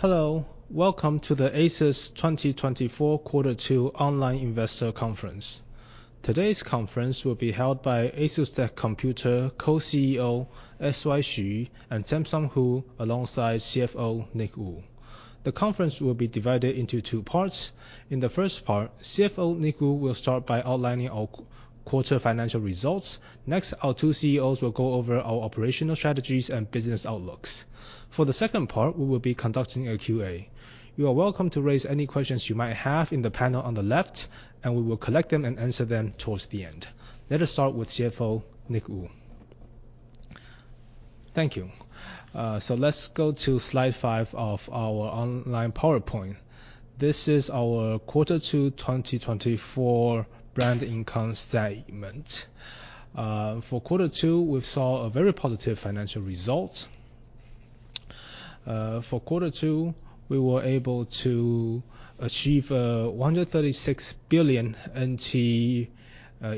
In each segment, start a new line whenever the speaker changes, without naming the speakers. Hello, welcome to the ASUS Quarter Two Online Investor Conference. Today's conference will be held by ASUSTeK Computer Co-CEO S.Y. Hsu and Samson Hu, alongside CFO Nick Wu. The conference will be divided into two parts. In the first part, CFO Nick Wu will start by outlining our quarter financial results. Next, our two CEOs will go over our operational strategies and business outlooks. For the second part, we will be conducting a Q&A. You are welcome to raise any questions you might have in the panel on the left, and we will collect them and answer them towards the end. Let us start with CFO Nick Wu.
Thank you. So let's go to slide 5 of our online PowerPoint. This is quarter two 2024 brand income statement. quarter two, we saw a very positive financial result. quarter two, we were able to achieve a NT$136 billion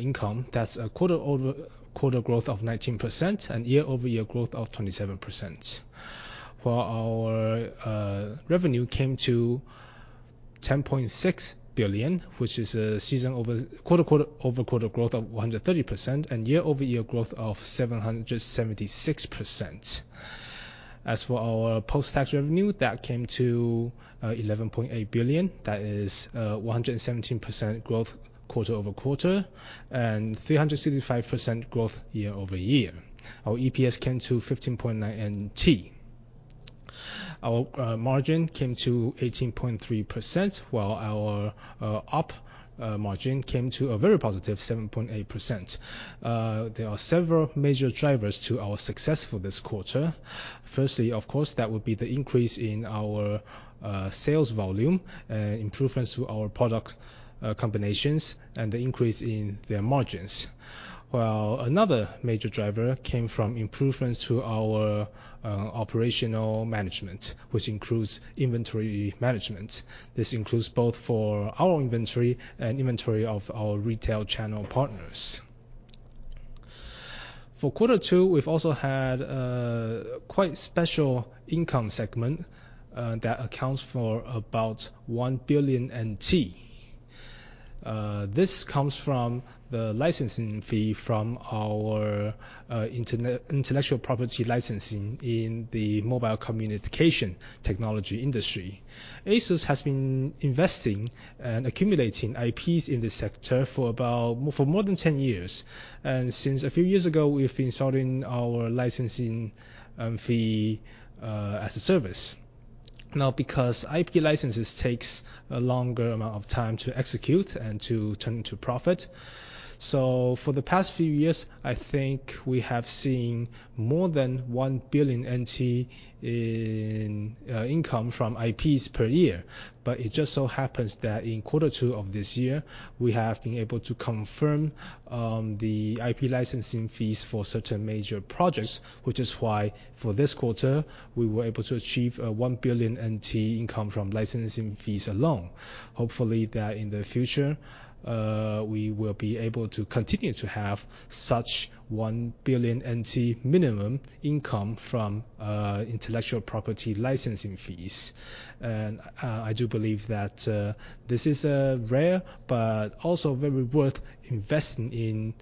income. That's a quarter-over-quarter growth of 19% and year-over-year growth of 27%. For our revenue, it came to NT$10.6 billion, which is a quarter-over-quarter growth of 130% and year-over-year growth of 776%. As for our post-tax revenue, that came to NT$11.8 billion. That is a 117% growth quarter-over-quarter and 365% growth year-over-year. Our EPS came to NT$15.9. Our margin came to 18.3%, while our OP margin came to a very positive 7.8%. There are several major drivers to our success for this quarter. Firstly, of course, that would be the increase in our sales volume and improvements to our product combinations and the increase in their margins. Well, another major driver came from improvements to our operational management, which includes inventory management. This includes both for our inventory and inventory of our retail channel partners. quarter two, we've also had a quite special income segment that accounts for about NT$1 billion. This comes from the licensing fee from our intellectual property licensing in the mobile communication technology industry. ASUS has been investing and accumulating IPs in this sector for more than 10 years. And since a few years ago, we've been selling our licensing fee as a service. Now, because IP licenses take a longer amount of time to execute and to turn into profit, so for the past few years, I think we have seen more than NT$1 billion in income from IPs per year. But it just so happens that quarter two of this year, we have been able to confirm the IP licensing fees for certain major projects, which is why for this quarter, we were able to achieve a NT$1 billion income from licensing fees alone. Hopefully, that in the future, we will be able to continue to have such NT$1 billion minimum income from intellectual property licensing fees. I do believe that this is a rare but also very worth investing in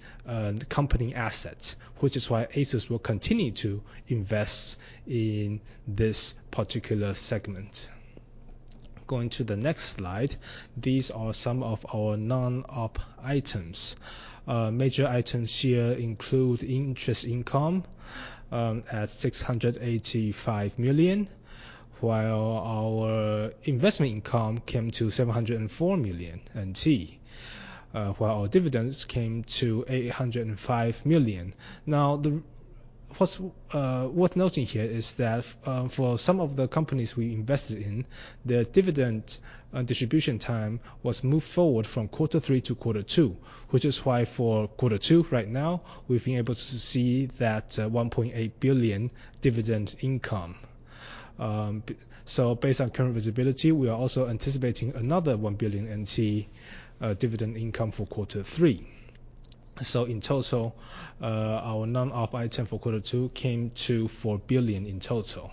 company assets, which is why ASUS will continue to invest in this particular segment. Going to the next slide, these are some of our non-OP items. Major items here include interest income at NT$685 million, while our investment income came to NT$704 million, while our dividends came to NT$805 million. Now, what's worth noting here is that for some of the companies we invested in, the dividend distribution time was moved forward from quarter three quarter two, which is why quarter two right now, we've been able to see that NT$1.8 billion dividend income. So based on current visibility, we are also anticipating another NT$1 billion dividend income for quarter three. So in total, our non-OP item quarter two came to NT$4 billion in total.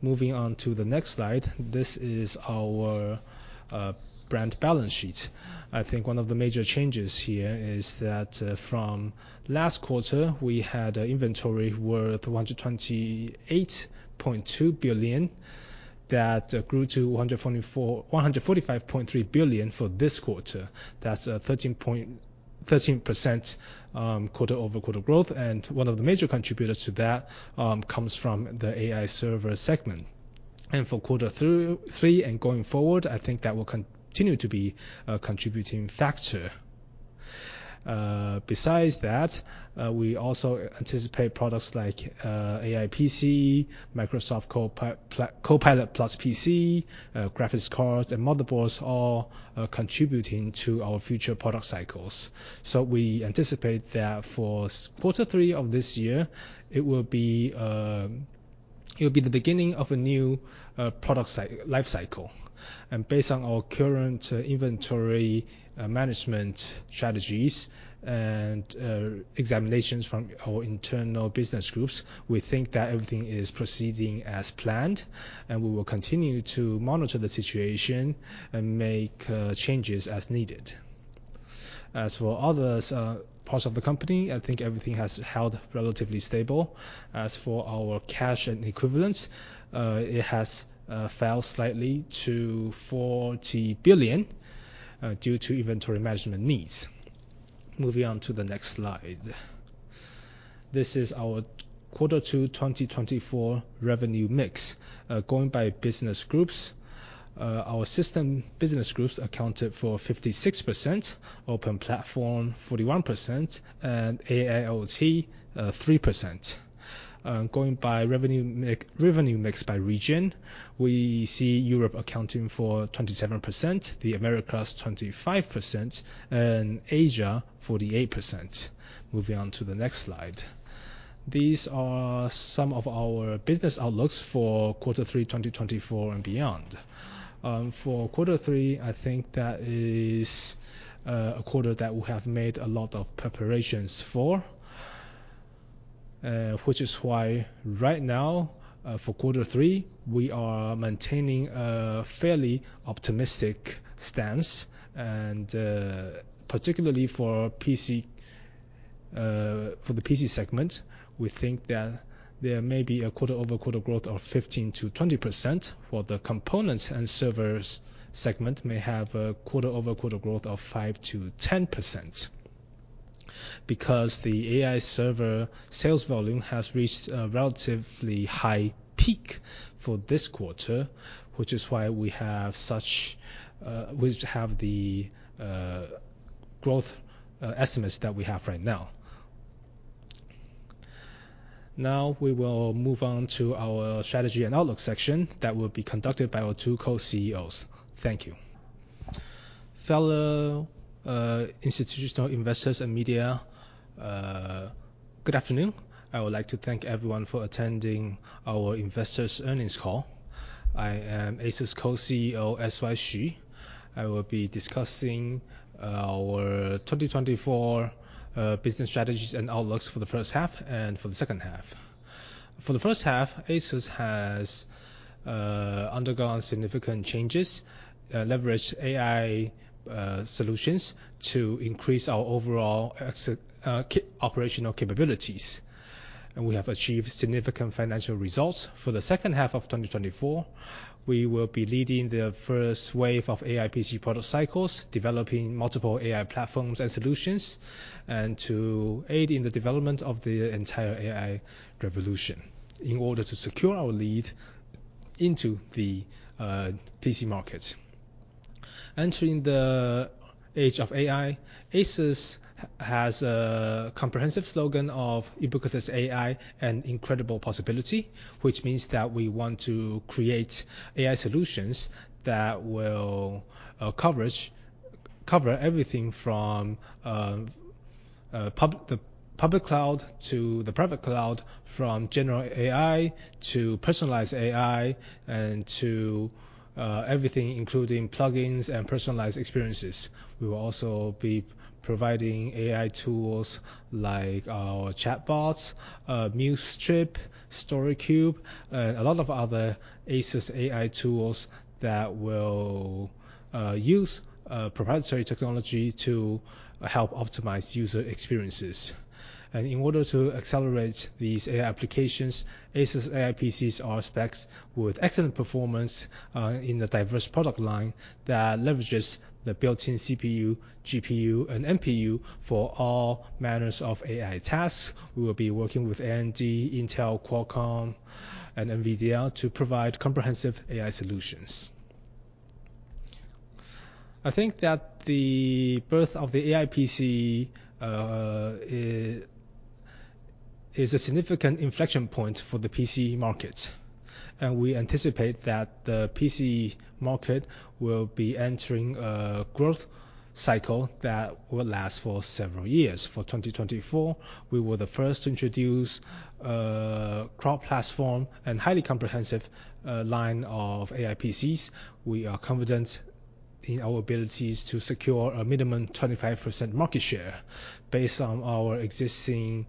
Moving on to the next slide, this is our brand balance sheet. I think one of the major changes here is that from last quarter, we had an inventory worth NT$128.2 billion that grew to NT$145.3 billion for this quarter. That's a 13% quarter-over-quarter growth. And one of the major contributors to that comes from the AI server segment. And for quarter three and going forward, I think that will continue to be a contributing factor. Besides that, we also anticipate products like AI PC, Microsoft Copilot+ PC, graphics cards, and motherboards all contributing to our future product cycles. So we anticipate that for quarter three of this year, it will be the beginning of a new product life cycle. Based on our current inventory management strategies and examinations from our internal business groups, we think that everything is proceeding as planned, and we will continue to monitor the situation and make changes as needed. As for other parts of the company, I think everything has held relatively stable. As for our cash and equivalents, it has fell slightly to NT$40 billion due to inventory management needs. Moving on to the next slide. This is quarter two 2024 revenue mix. Going by business groups, our business groups accounted for 56%, Open Platform 41%, and AIoT 3%. Going by revenue mix by region, we see Europe accounting for 27%, the Americas 25%, and Asia 48%. Moving on to the next slide. These are some of our business outlooks for quarter three 2024 and beyond. For quarter three, I think that is a quarter that we have made a lot of preparations for, which is why right now for quarter three, we are maintaining a fairly optimistic stance. Particularly for the PC segment, we think that there may be a quarter-over-quarter growth of 15%-20% for the components and servers segment, may have a quarter-over-quarter growth of 5%-10%. Because the AI server sales volume has reached a relatively high peak for this quarter, which is why we have the growth estimates that we have right now. Now, we will move on to our strategy and outlook section that will be conducted by our two Co-CEOs.
Thank you. Fellow institutional investors and media, good afternoon. I would like to thank everyone for attending our investors' earnings call. I am ASUS Co-CEO S.Y. Hsu. I will be discussing our 2024 business strategies and outlooks for the first half and for the second half. For the first half, ASUS has undergone significant changes, leveraged AI solutions to increase our overall operational capabilities. We have achieved significant financial results. For the second half of 2024, we will be leading the first wave of AI PC product cycles, developing multiple AI platforms and solutions to aid in the development of the entire AI revolution in order to secure our lead into the PC market. Entering the age of AI, ASUS has a comprehensive slogan of "Ubiquitous AI and Incredible Possibility," which means that we want to create AI solutions that will cover everything from the public cloud to the private cloud, from general AI to personalized AI and to everything, including plugins and personalized experiences. We will also be providing AI tools like our chatbots, MuseTree, StoryCube, and a lot of other ASUS AI tools that will use proprietary technology to help optimize user experiences. And in order to accelerate these AI applications, ASUS AI PCs are specced with excellent performance in the diverse product line that leverages the built-in CPU, GPU, and NPU for all manners of AI tasks. We will be working with AMD, Intel, Qualcomm, and NVIDIA to provide comprehensive AI solutions. I think that the birth of the AI PC is a significant inflection point for the PC market. We anticipate that the PC market will be entering a growth cycle that will last for several years. For 2024, we were the first to introduce a crowd platform and highly comprehensive line of AI PCs. We are confident in our abilities to secure a minimum 25% market share. Based on our existing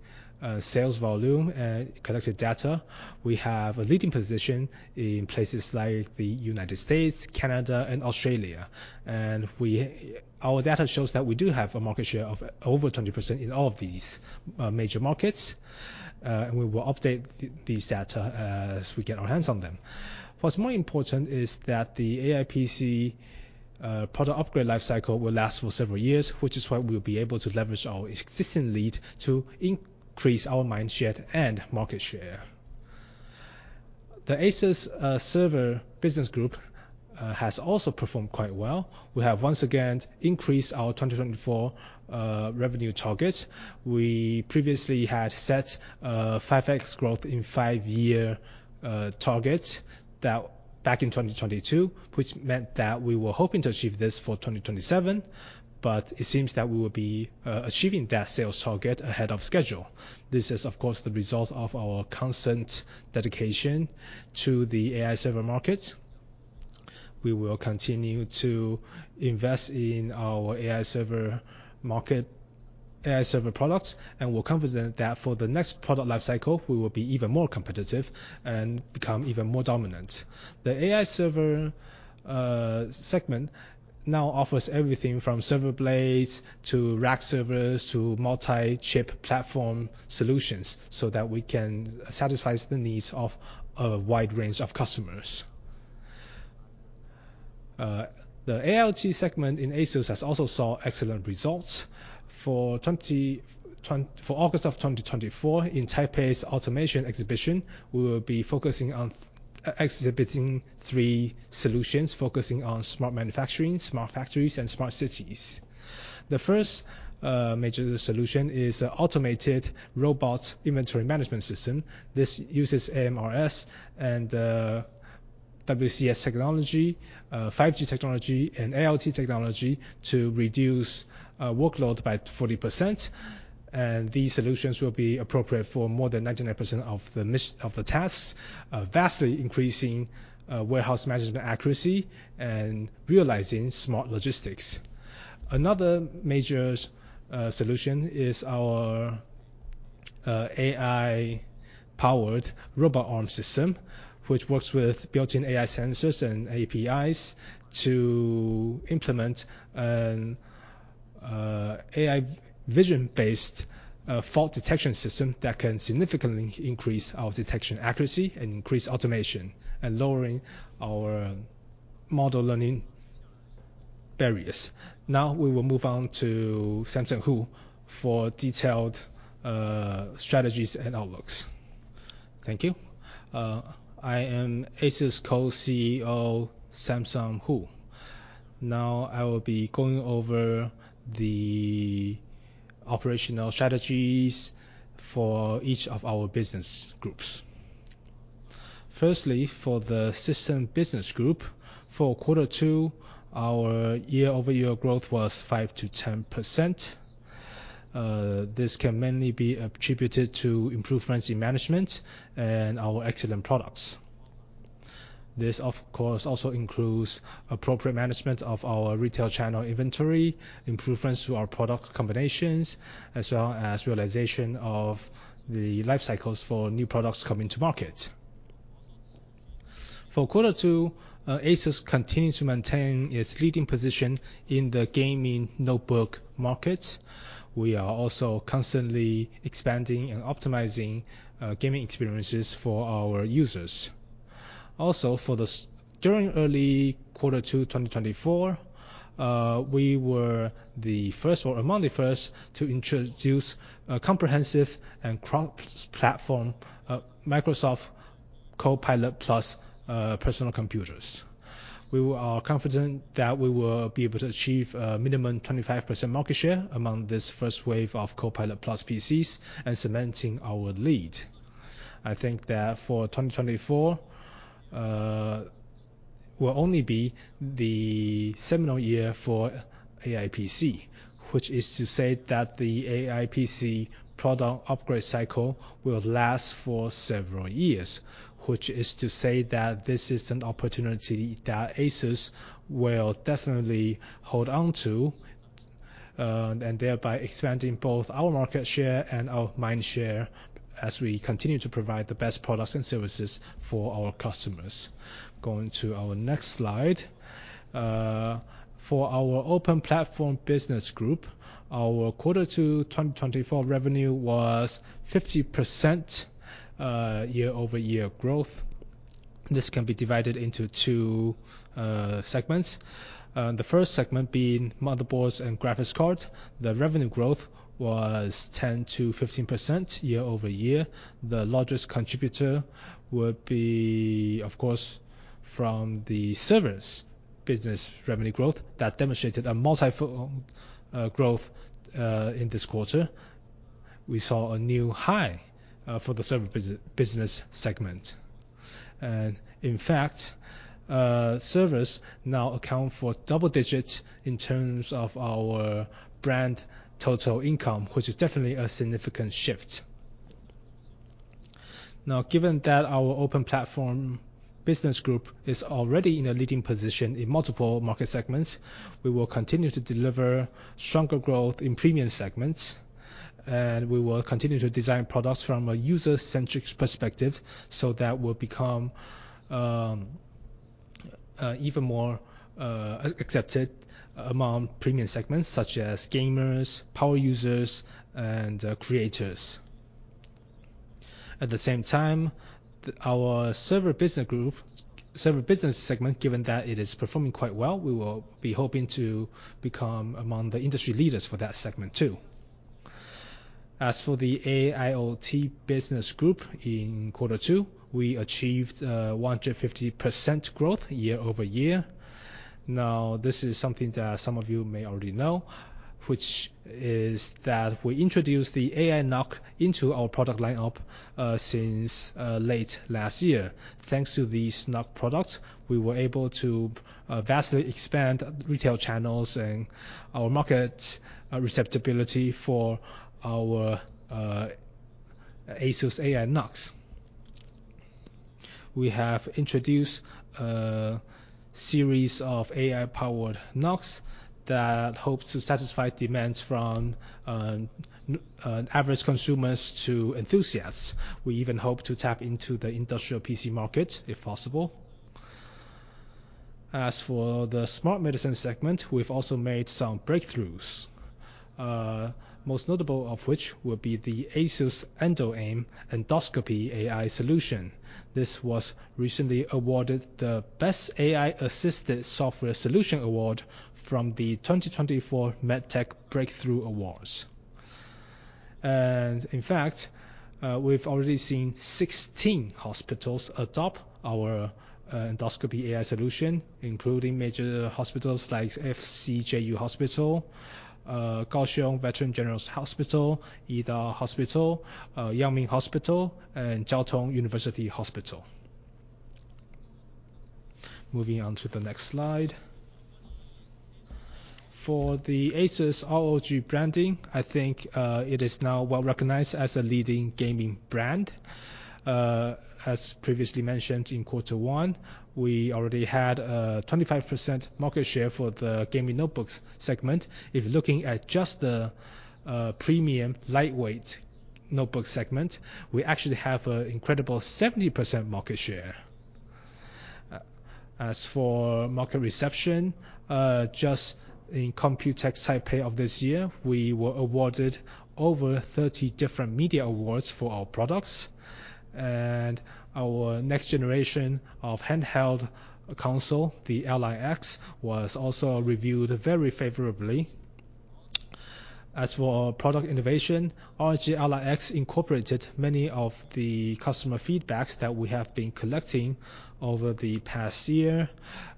sales volume and collected data, we have a leading position in places like the United States, Canada, and Australia. And our data shows that we do have a market share of over 20% in all of these major markets. And we will update these data as we get our hands on them. What's more important is that the AI PC product upgrade life cycle will last for several years, which is why we will be able to leverage our existing lead to increase our mindset and market share. The ASUS server business group has also performed quite well. We have once again increased our 2024 revenue targets. We previously had set a 5x growth in five-year targets back in 2022, which meant that we were hoping to achieve this for 2027. But it seems that we will be achieving that sales target ahead of schedule. This is, of course, the result of our constant dedication to the AI server market. We will continue to invest in our AI server products and will be confident that for the next product life cycle, we will be even more competitive and become even more dominant. The AI server segment now offers everything from server blades to rack servers to multi-chip platform solutions so that we can satisfy the needs of a wide range of customers. The AIoT segment in ASUS has also saw excellent results. For August of 2024, in Taipei's Automation Exhibition, we will be focusing on exhibiting three solutions focusing on smart manufacturing, smart factories, and smart cities. The first major solution is an Automated Robot Inventory Management System. This uses AMRs and WCS technology, 5G technology, and AIoT technology to reduce workload by 40%. These solutions will be appropriate for more than 99% of the tasks, vastly increasing warehouse management accuracy and realizing smart logistics. Another major solution is our AI-powered robot arm system, which works with built-in AI sensors and APIs to implement an AI vision-based fault detection system that can significantly increase our detection accuracy and increase automation and lower our model learning barriers. Now, we will move on to Samson Hu for detailed strategies and outlooks.
Thank you. I am ASUS Co-CEO Samson Hu. Now, I will be going over the operational strategies for each of our business groups. Firstly, for the system business group, quarter two, our year-over-year growth was 5%-10%. This can mainly be attributed to improvements in management and our excellent products. This, of course, also includes appropriate management of our retail channel inventory, improvements to our product combinations, as well as realization of the life cycles for new products coming to market. quarter two, ASUS continues to maintain its leading position in the gaming notebook market. We are also constantly expanding and optimizing gaming experiences for our users. Also, during quarter two 2024, we were the first or among the first to introduce a comprehensive and cross-platform Microsoft Copilot+ personal computers. We are confident that we will be able to achieve a minimum 25% market share among this first wave of Copilot+ PCs and cementing our lead. I think that for 2024, it will only be the seminal year for AI PC, which is to say that the AI PC product upgrade cycle will last for several years, which is to say that this is an opportunity that ASUS will definitely hold on to and thereby expanding both our market share and our mind share as we continue to provide the best products and services for our customers. Going to our next slide. For our Open Platform business group, quarter two 2024 revenue was 50% year-over-year growth. This can be divided into two segments. The first segment being motherboards and graphics cards. The revenue growth was 10%-15% year-over-year. The largest contributor would be, of course, from the servers business revenue growth that demonstrated a multi-fold growth in this quarter. We saw a new high for the server business segment. In fact, servers now account for double digits in terms of our brand total income, which is definitely a significant shift. Now, given that our open platform business group is already in a leading position in multiple market segments, we will continue to deliver stronger growth in premium segments. We will continue to design products from a user-centric perspective so that we'll become even more accepted among premium segments such as gamers, power users, and creators. At the same time, our server business group, server business segment, given that it is performing quite well, we will be hoping to become among the industry leaders for that segment too. As for the AIoT business group quarter two, we achieved 150% growth year-over-year. Now, this is something that some of you may already know, which is that we introduced the AI NUC into our product lineup since late last year. Thanks to these NUC products, we were able to vastly expand retail channels and our market receptivity for our ASUS AI NUCs. We have introduced a series of AI-powered NUCs that hope to satisfy demands from average consumers to enthusiasts. We even hope to tap into the industrial PC market if possible. As for the smart medicine segment, we've also made some breakthroughs, most notable of which will be the ASUS EndoAIM Endoscopy AI solution. This was recently awarded the Best AI-Assisted Software Solution Award from the 2024 MedTech Breakthrough Awards. In fact, we've already seen 16 hospitals adopt our endoscopy AI solution, including major hospitals like FCJU Hospital, Kaohsiung Veterans General Hospital, Yida Hospital, Yangming Hospital, and Chiao Tung University Hospital. Moving on to the next slide. For the ASUS ROG branding, I think it is now well recognized as a leading gaming brand. As previously mentioned in quarter one, we already had a 25% market share for the gaming notebooks segment. If looking at just the premium lightweight notebook segment, we actually have an incredible 70% market share. As for market reception, just in COMPUTEX TAIPEI of this year, we were awarded over 30 different media awards for our products. Our next generation of handheld console, the Ally X, was also reviewed very favorably. As for product innovation, ROG Ally X incorporated many of the customer feedbacks that we have been collecting over the past year.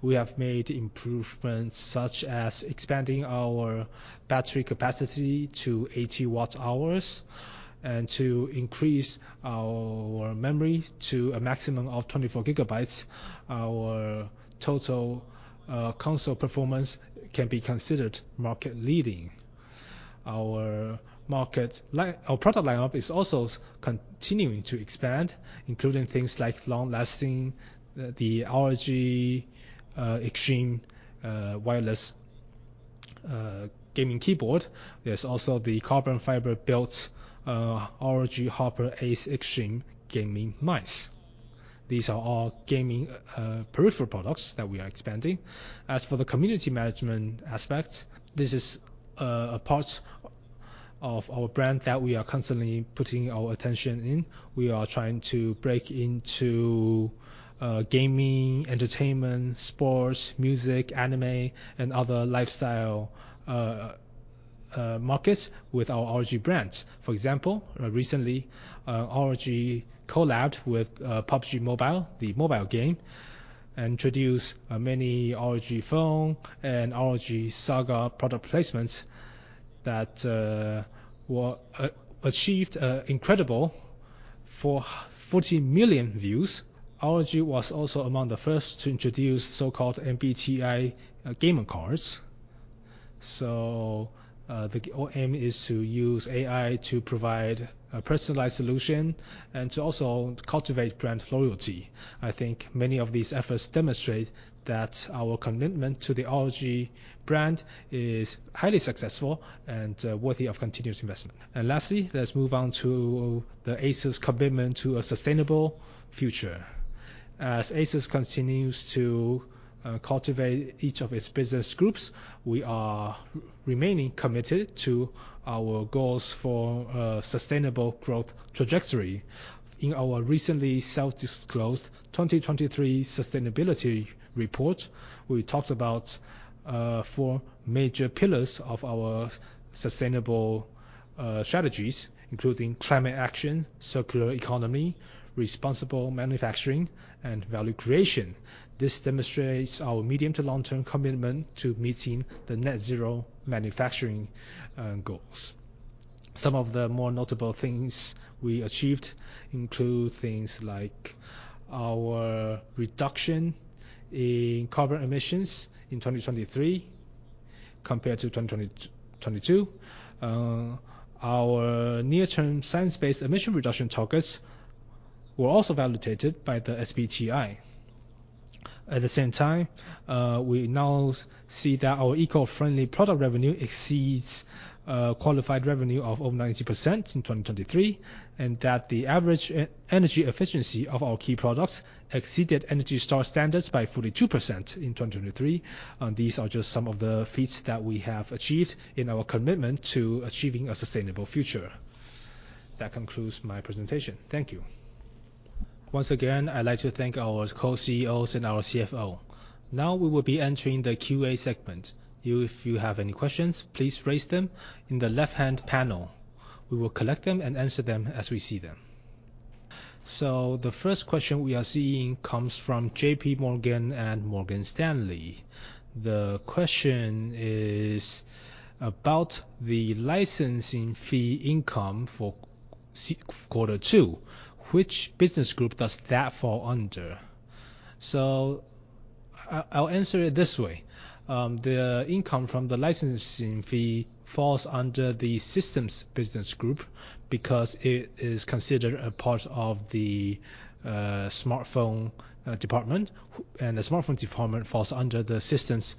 We have made improvements such as expanding our battery capacity to 80 Wh and to increase our memory to a maximum of 24 GB. Our total console performance can be considered market-leading. Our product lineup is also continuing to expand, including things like long-lasting the ROG Extreme wireless keyboard. There's also the carbon fiber-built ROG Harpe Ace Extreme gaming mouse. These are all gaming peripheral products that we are expanding. As for the community management aspect, this is a part of our brand that we are constantly putting our attention in. We are trying to break into gaming, entertainment, sports, music, anime, and other lifestyle markets with our ROG brand. For example, recently, ROG collabed with PUBG Mobile, the mobile game, and introduced many ROG Phone and ROG Saga product placements that achieved an incredible 40 million views. ROG was also among the first to introduce so-called MBTI gamer cards. So the aim is to use AI to provide a personalized solution and to also cultivate brand loyalty. I think many of these efforts demonstrate that our commitment to the ROG brand is highly successful and worthy of continuous investment. Lastly, let's move on to the ASUS commitment to a sustainable future. As ASUS continues to cultivate each of its business groups, we are remaining committed to our goals for a sustainable growth trajectory. In our recently self-disclosed 2023 sustainability report, we talked about four major pillars of our sustainable strategies, including climate action, circular economy, responsible manufacturing, and value creation. This demonstrates our medium to long-term commitment to meeting the net-zero manufacturing goals. Some of the more notable things we achieved include things like our reduction in carbon emissions in 2023 compared to 2022. Our near-term science-based emission reduction targets were also validated by the SBTi. At the same time, we now see that our eco-friendly product revenue exceeds qualified revenue of over 90% in 2023 and that the average energy efficiency of our key products exceeded Energy Star standards by 42% in 2023. These are just some of the feats that we have achieved in our commitment to achieving a sustainable future. That concludes my presentation. Thank you.
Once again, I'd like to thank our Co-CEOs and our CFO. Now, we will be entering the Q&A segment. If you have any questions, please raise them in the left-hand panel. We will collect them and answer them as we see them. So the first question we are seeing comes from JPMorgan and Morgan Stanley. The question is about the licensing fee income quarter two. which business group does that fall under?
So I'll answer it this way. The income from the licensing fee falls under the systems business group because it is considered a part of the smartphone department, and the smartphone department falls under the systems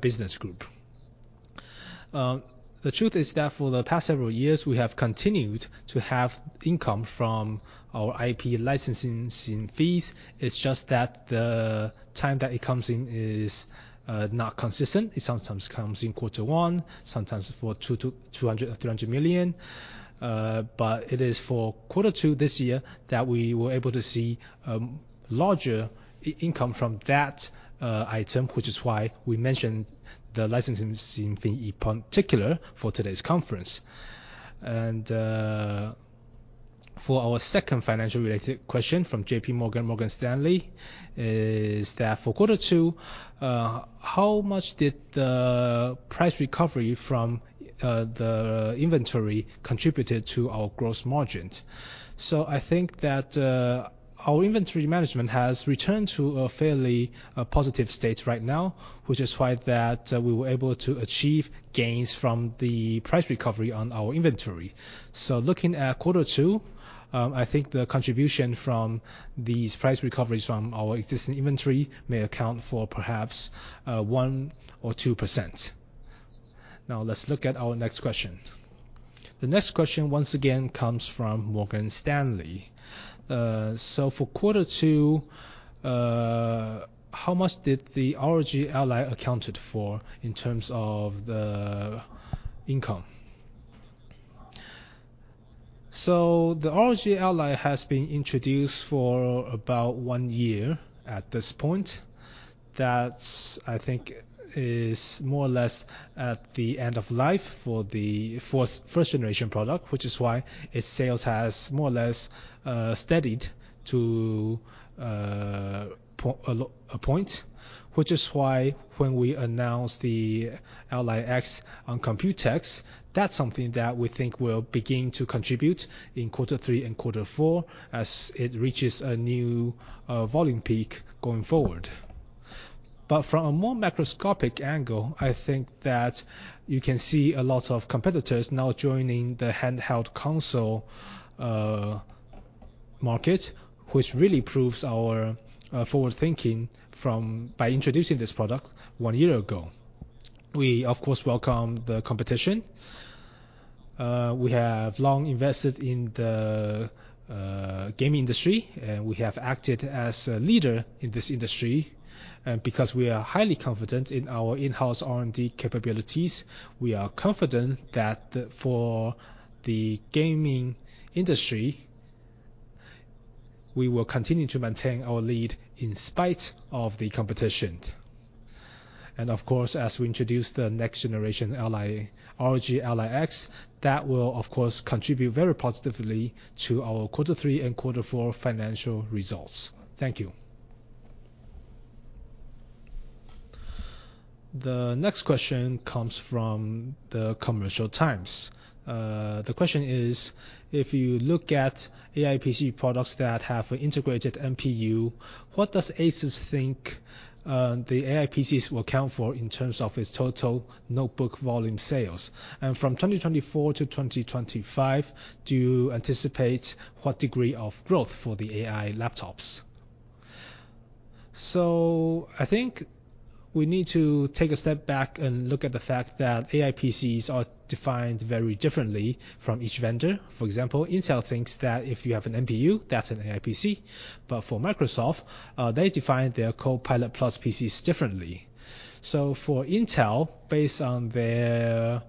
business group. The truth is that for the past several years, we have continued to have income from our IP licensing fees. It's just that the time that it comes in is not consistent. It sometimes comes in quarter one, sometimes for NT$200 million or NT$300 million. But it is quarter two this year that we were able to see larger income from that item, which is why we mentioned the licensing fee in particular for today's conference. And for our second financial-related question from JPMorgan, Morgan Stanley, is that quarter two, how much did the price recovery from the inventory contribute to our gross margin? So I think that our inventory management has returned to a fairly positive state right now, which is why that we were able to achieve gains from the price recovery on our inventory. So looking quarter two, i think the contribution from these price recoveries from our existing inventory may account for perhaps 1% or 2%.
Now, let's look at our next question. The next question, once again, comes from Morgan Stanley. So quarter two, how much did the ROG Ally account for in terms of the income?
So the ROG Ally has been introduced for about one year at this point. That's, I think, is more or less at the end of life for the first-generation product, which is why its sales has more or less steadied to a point, which is why when we announced the Ally X on COMPUTEX, that's something that we think will begin to contribute in quarter three and quarter four as it reaches a new volume peak going forward. But from a more macroscopic angle, I think that you can see a lot of competitors now joining the handheld console market, which really proves our forward-thinking by introducing this product one year ago. We, of course, welcome the competition. We have long invested in the gaming industry, and we have acted as a leader in this industry. Because we are highly confident in our in-house R&D capabilities, we are confident that for the gaming industry, we will continue to maintain our lead in spite of the competition. Of course, as we introduce the next-generation ROG Ally X, that will, of course, contribute very positively to our quarter three and quarter four financial results. Thank you.
The next question comes from the Commercial Times. The question is, if you look at AI PC products that have an integrated NPU, what does ASUS think the AI PCs will account for in terms of its total notebook volume sales? And from 2024 to 2025, do you anticipate what degree of growth for the AI laptops?
I think we need to take a step back and look at the fact that AI PCs are defined very differently from each vendor. For example, Intel thinks that if you have an NPU, that's an AI PC. But for Microsoft, they define their Copilot+ PCs differently. So for Intel, based on their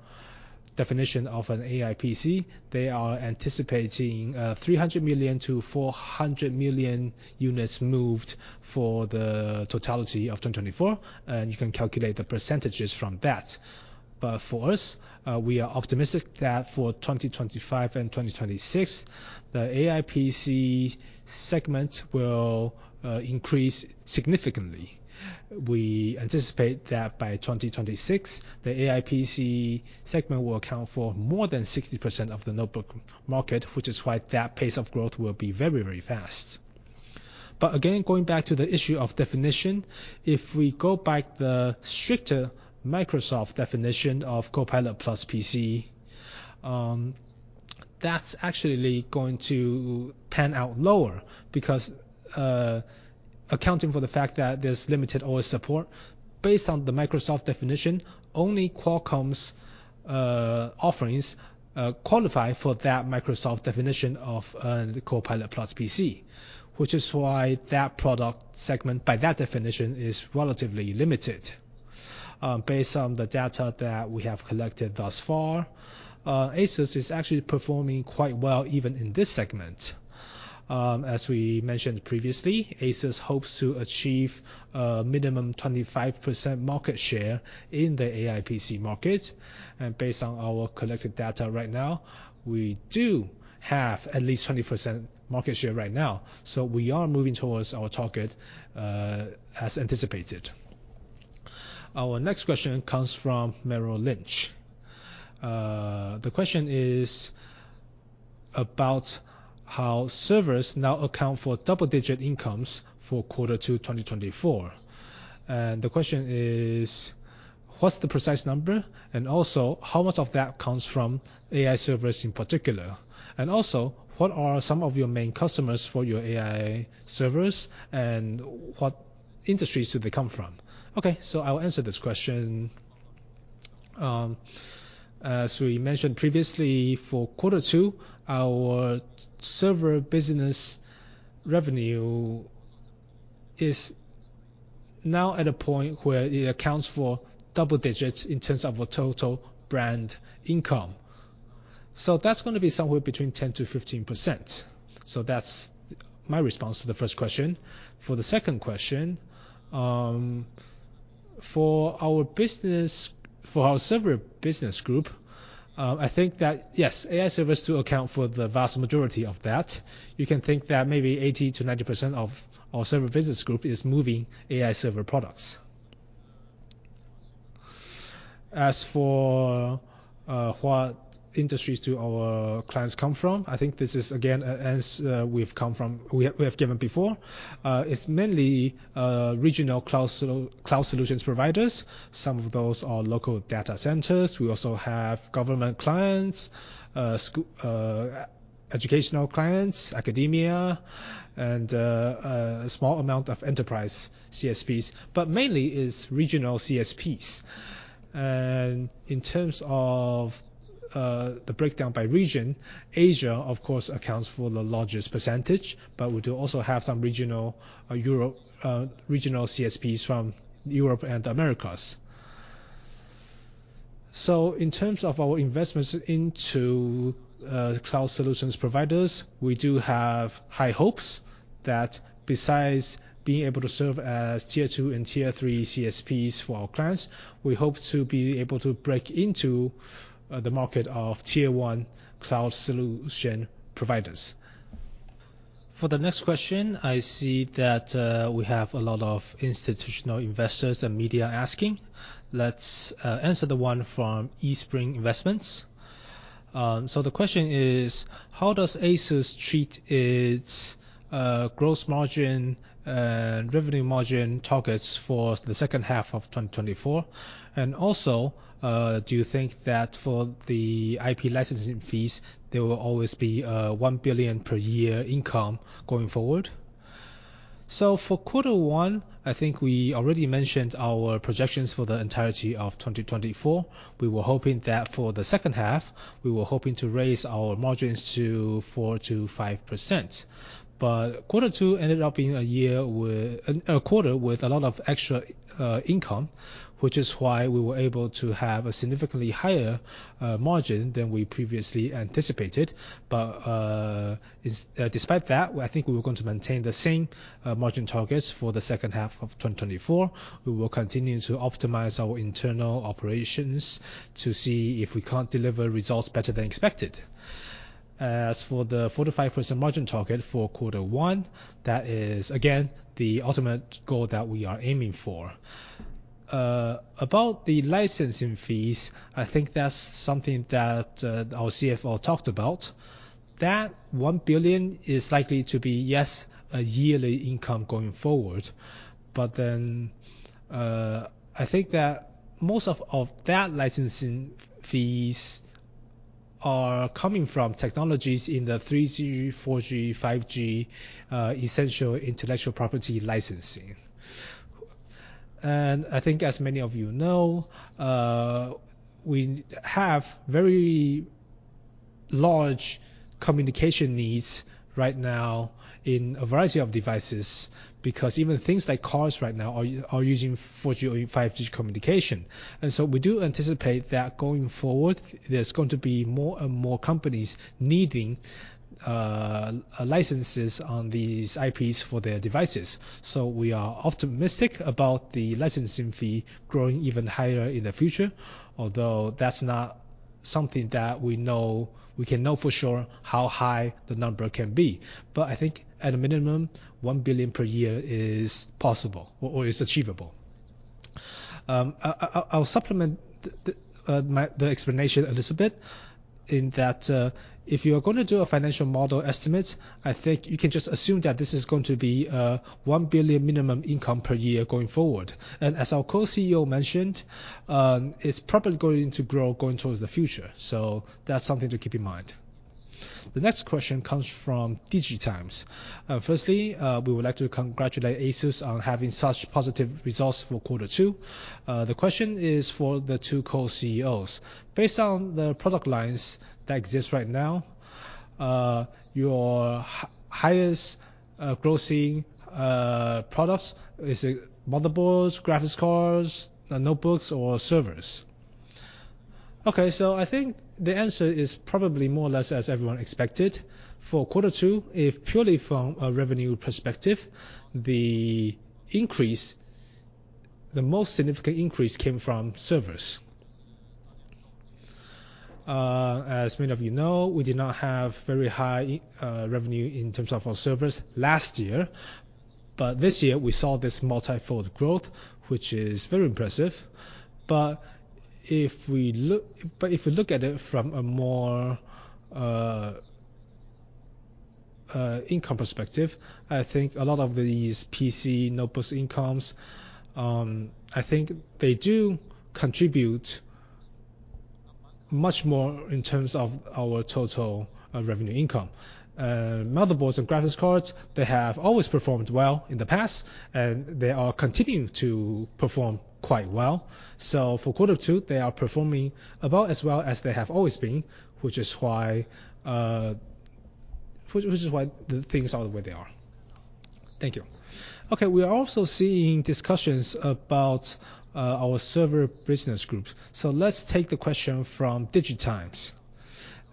definition of an AI PC, they are anticipating 300 million-400 million units moved for the totality of 2024. You can calculate the percentages from that. But for us, we are optimistic that for 2025 and 2026, the AI PC segment will increase significantly. We anticipate that by 2026, the AI PC segment will account for more than 60% of the notebook market, which is why that pace of growth will be very, very fast. But again, going back to the issue of definition, if we go back to the stricter Microsoft definition of Copilot+ PC, that's actually going to pan out lower because accounting for the fact that there's limited OS support, based on the Microsoft definition, only Qualcomm's offerings qualify for that Microsoft definition of Copilot+ PC, which is why that product segment by that definition is relatively limited. Based on the data that we have collected thus far, ASUS is actually performing quite well even in this segment. As we mentioned previously, ASUS hopes to achieve a minimum 25% market share in the AI PC market. And based on our collected data right now, we do have at least 20% market share right now. So we are moving towards our target as anticipated.
Our next question comes from Merrill Lynch. The question is about how servers now account for double-digit incomes quarter two, 2024. The question is, what's the precise number? Also, how much of that comes from AI servers in particular? Also, what are some of your main customers for your AI servers, and what industries do they come from?
Okay. I'll answer this question. As we mentioned previously, quarter two, our server business revenue is now at a point where it accounts for double digits in terms of our total brand income. That's going to be somewhere between 10%-15%. That's my response to the first question. For the second question, for our server business group, I think that, yes, AI servers do account for the vast majority of that. You can think that maybe 80%-90% of our server business group is moving AI server products. As for what industries do our clients come from, I think this is, again, an answer we've given before. It's mainly regional cloud solutions providers. Some of those are local data centers. We also have government clients, educational clients, academia, and a small amount of enterprise CSPs. But mainly, it's regional CSPs. And in terms of the breakdown by region, Asia, of course, accounts for the largest percentage, but we do also have some regional CSPs from Europe and the Americas. So in terms of our investments into cloud solutions providers, we do have high hopes that besides being able to serve as Tier 2 and Tier 3 CSPs for our clients, we hope to be able to break into the market of Tier 1 cloud solution providers. For the next question, I see that we have a lot of institutional investors and media asking.
Let's answer the one from Eastspring Investments. So the question is, how does ASUS treat its gross margin and revenue margin targets for the second half of 2024? And also, do you think that for the IP licensing fees, there will always be a NT$1 billion per year income going forward?
So for quarter one, I think we already mentioned our projections for the entirety of 2024. We were hoping that for the second half, we were hoping to raise our margins to 4%-5%. quarter two ended up being a quarter with a lot of extra income, which is why we were able to have a significantly higher margin than we previously anticipated. But despite that, I think we were going to maintain the same margin targets for the second half of 2024. We will continue to optimize our internal operations to see if we can't deliver results better than expected. As for the 4%-5% margin target for quarter 1, that is, again, the ultimate goal that we are aiming for. About the licensing fees, I think that's something that our CFO talked about. That NT$1 billion is likely to be, yes, a yearly income going forward. But then I think that most of that licensing fees are coming from technologies in the 3G, 4G, 5G, essential intellectual property licensing. And I think, as many of you know, we have very large communication needs right now in a variety of devices because even things like cars right now are using 4G and 5G communication. And so we do anticipate that going forward, there's going to be more and more companies needing licenses on these IPs for their devices. So we are optimistic about the licensing fee growing even higher in the future, although that's not something that we can know for sure how high the number can be. But I think, at a minimum, NT$1 billion per year is possible or is achievable.
I'll supplement the explanation a little bit in that if you are going to do a financial model estimate, I think you can just assume that this is going to be a NT$1 billion minimum income per year going forward. And as our Co-CEO mentioned, it's probably going to grow going towards the future. So that's something to keep in mind.
The next question comes from DIGITIMES. Firstly, we would like to congratulate ASUS on having such positive results quarter two. the question is for the two Co-CEOs. Based on the product lines that exist right now, your highest grossing products are motherboards, graphics cards, notebooks, or servers?
Okay. So I think the answer is probably more or less as everyone expected. quarter two, if purely from a revenue perspective, the most significant increase came from servers. As many of you know, we did not have very high revenue in terms of our servers last year. But this year, we saw this multi-fold growth, which is very impressive. But if we look at it from a more income perspective, I think a lot of these PC notebook incomes, I think they do contribute much more in terms of our total revenue income. Motherboards and graphics cards, they have always performed well in the past, and they are continuing to perform quite well. So quarter two, they are performing about as well as they have always been, which is why the things are the way they are. Thank you. Okay. We are also seeing discussions about our server business group. So let's take the question from DIGITIMES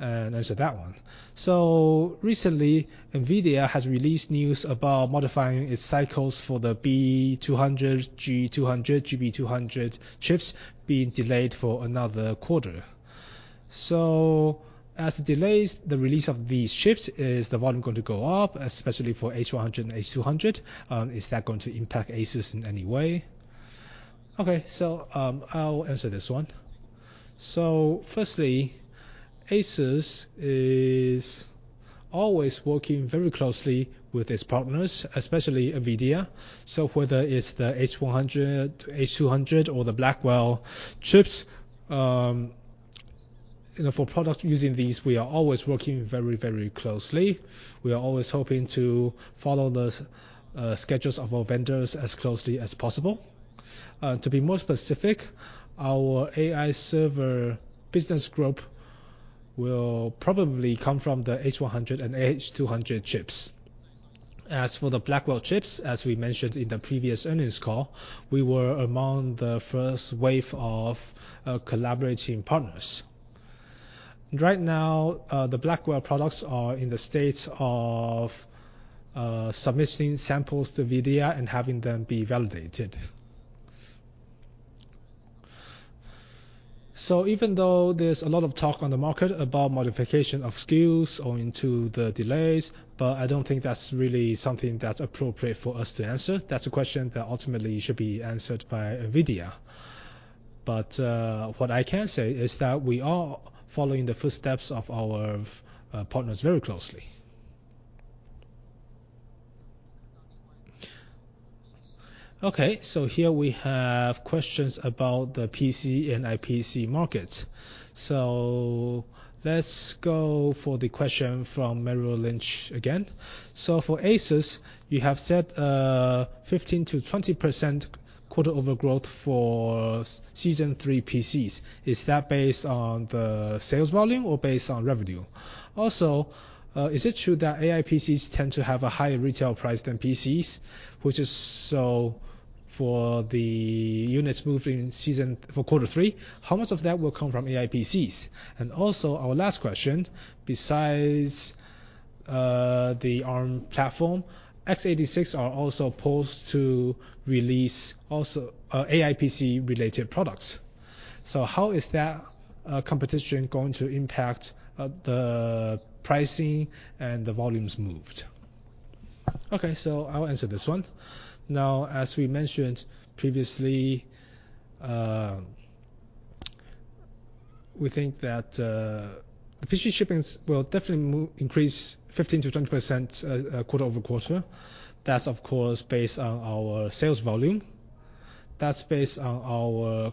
and answer that one. So recently, NVIDIA has released news about modifying its cycles for the B200, GB200 chips being delayed for another quarter.
So as it delays, the release of these chips is the volume going to go up, especially for H100 and H200? Is that going to impact ASUS in any way?
Okay. So I'll answer this one. So firstly, ASUS is always working very closely with its partners, especially NVIDIA. So whether it's the H100, H200, or the Blackwell chips, for products using these, we are always working very, very closely. We are always hoping to follow the schedules of our vendors as closely as possible. To be more specific, our AI server business group will probably come from the H100 and H200 chips. As for the Blackwell chips, as we mentioned in the previous earnings call, we were among the first wave of collaborating partners. Right now, the Blackwell products are in the state of submitting samples to NVIDIA and having them be validated. So even though there's a lot of talk on the market about modification of SKUs owing to the delays, but I don't think that's really something that's appropriate for us to answer. That's a question that ultimately should be answered by NVIDIA. But what I can say is that we are following the footsteps of our partners very closely.
Okay. So here we have questions about the PC and IPC markets. So let's go for the question from Merrill Lynch again. So for ASUS, you have said 15%-20% quarter-over-quarter growth for Q3 PCs. Is that based on the sales volume or based on revenue? Also, is it true that AI PCs tend to have a higher retail price than PCs? So for the units moved in Q3, how much of that will come from AI PCs? And also, our last question, besides the ARM platform, x86 are also poised to release AI PC-related products. So how is that competition going to impact the pricing and the volumes moved?
Okay. So I'll answer this one. Now, as we mentioned previously, we think that PC shippings will definitely increase 15%-20% quarter-over-quarter. That's, of course, based on our sales volume. That's based on our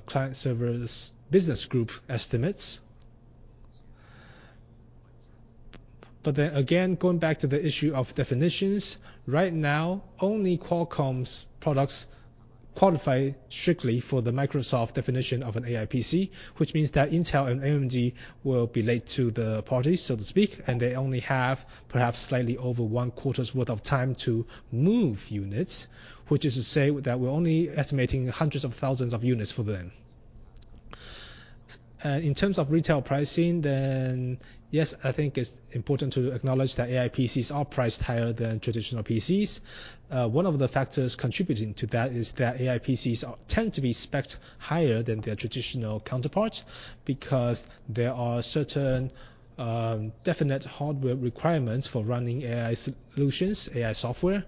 client servers business group estimates. But then again, going back to the issue of definitions, right now, only Qualcomm's products qualify strictly for the Microsoft definition of an AI PC, which means that Intel and AMD will be late to the party, so to speak. And they only have perhaps slightly over one quarter's worth of time to move units, which is to say that we're only estimating hundreds of thousands of units for them. And in terms of retail pricing, then yes, I think it's important to acknowledge that AI PCs are priced higher than traditional PCs. One of the factors contributing to that is that AI PCs tend to be specced higher than their traditional counterparts because there are certain definite hardware requirements for running AI solutions, AI software.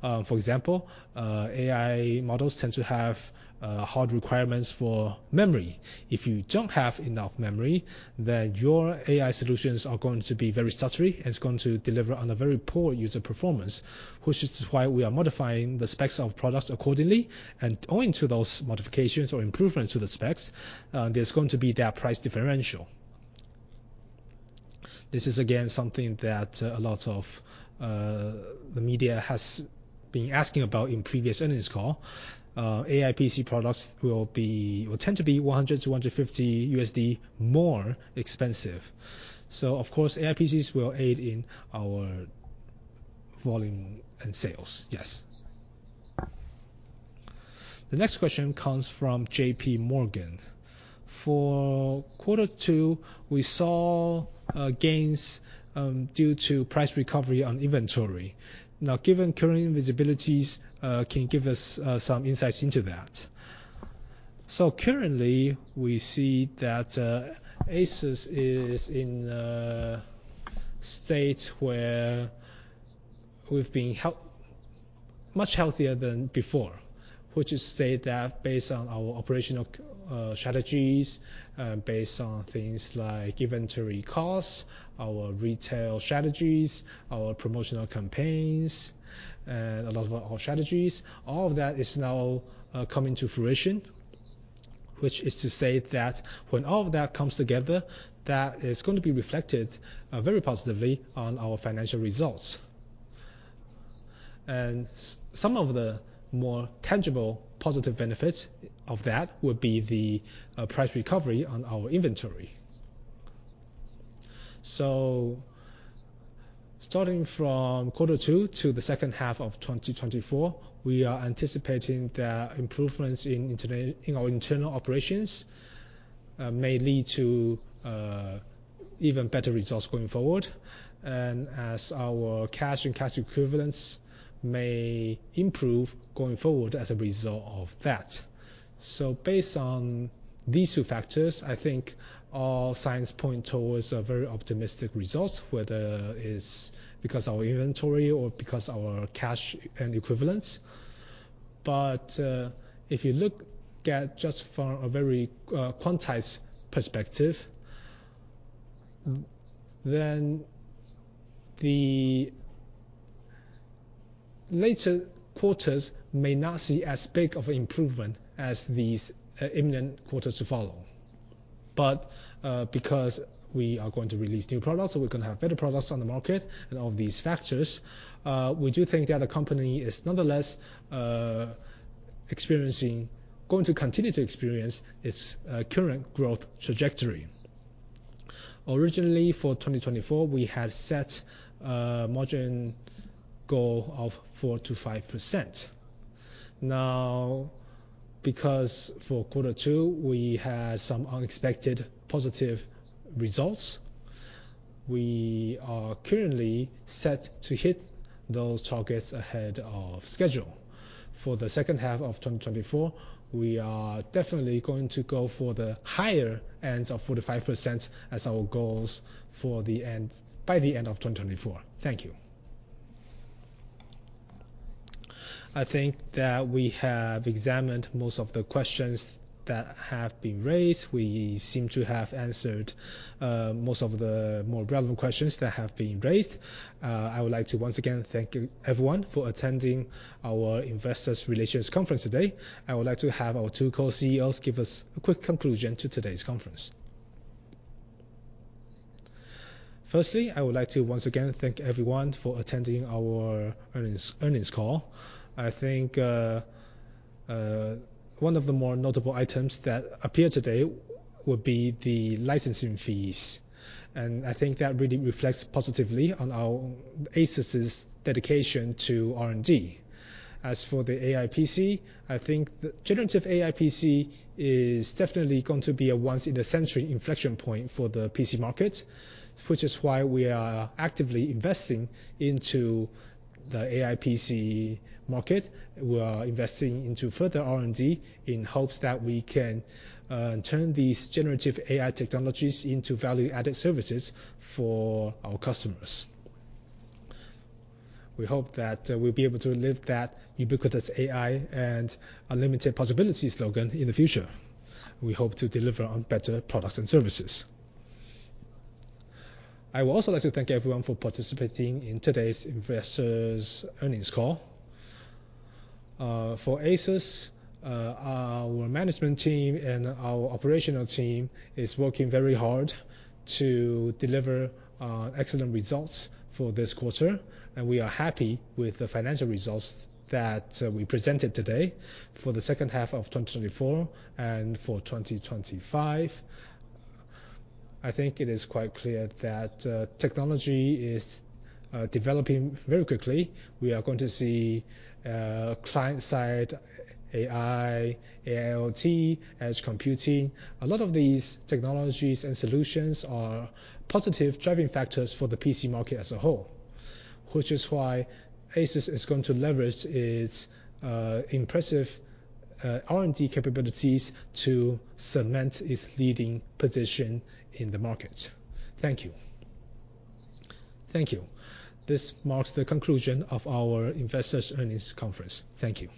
For example, AI models tend to have hard requirements for memory. If you don't have enough memory, then your AI solutions are going to be very stuttery and it's going to deliver on a very poor user performance, which is why we are modifying the specs of products accordingly. And owing to those modifications or improvements to the specs, there's going to be that price differential. This is, again, something that a lot of the media has been asking about in previous earnings call. AI PC products will tend to be $100-$150 more expensive. So, of course, AI PCs will aid in our volume and sales. Yes.
The next question comes from J.P. Morgan. quarter two, we saw gains due to price recovery on inventory. Now, given current visibilities, can you give us some insights into that?
Currently, we see that ASUS is in a state where we've been much healthier than before, which is to say that based on our operational strategies, based on things like inventory costs, our retail strategies, our promotional campaigns, and a lot of our strategies, all of that is now coming to fruition, which is to say that when all of that comes together, that is going to be reflected very positively on our financial results. Some of the more tangible positive benefits of that would be the price recovery on our inventory. Starting quarter two to the second half of 2024, we are anticipating that improvements in our internal operations may lead to even better results going forward. As our cash and cash equivalents may improve going forward as a result of that. So based on these two factors, I think all signs point towards a very optimistic result, whether it's because of our inventory or because of our cash and equivalents. But if you look at just from a very quantized perspective, then the later quarters may not see as big of an improvement as these imminent quarters to follow. But because we are going to release new products, we're going to have better products on the market, and all these factors, we do think that the company is nonetheless going to continue to experience its current growth trajectory. Originally, for 2024, we had set a margin goal of 4%-5%. Now, because quarter two, we had some unexpected positive results, we are currently set to hit those targets ahead of schedule. For the second half of 2024, we are definitely going to go for the higher end of 45% as our goals by the end of 2024. Thank you.
I think that we have examined most of the questions that have been raised. We seem to have answered most of the more relevant questions that have been raised. I would like to once again thank everyone for attending our Investor Relations Conference today. I would like to have our two Co-CEOs give us a quick conclusion to today's conference.
Firstly, I would like to once again thank everyone for attending our earnings call. I think one of the more notable items that appeared today would be the licensing fees. I think that really reflects positively on ASUS's dedication to R&D. As for the AI PC, I think the generative AI PC is definitely going to be a once-in-a-century inflection point for the PC market, which is why we are actively investing into the AI PC market. We are investing into further R&D in hopes that we can turn these generative AI technologies into value-added services for our customers. We hope that we'll be able to live that ubiquitous AI and unlimited possibility slogan in the future. We hope to deliver on better products and services.
I would also like to thank everyone for participating in today's investors' earnings call. For ASUS, our management team and our operational team are working very hard to deliver excellent results for this quarter. We are happy with the financial results that we presented today for the second half of 2024 and for 2025. I think it is quite clear that technology is developing very quickly. We are going to see client-side AI, AIoT, edge computing. A lot of these technologies and solutions are positive driving factors for the PC market as a whole, which is why ASUS is going to leverage its impressive R&D capabilities to cement its leading position in the market. Thank you.
Thank you. This marks the conclusion of our Investors' earnings conference. Thank you.